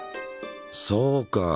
そうか。